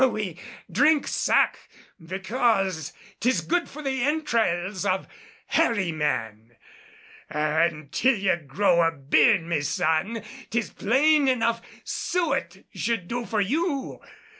"We drink sack because 'tis good for the entrails of hairy men. An' till you grow a beard, me son, 'tis plain enough suet should do for you.